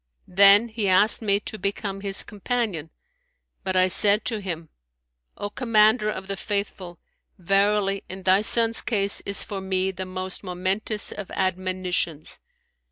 Then he asked me to become his companion, but I said to him, "O Commander of the Faithful, verily, in thy son's case is for me the most momentous of admonitions!'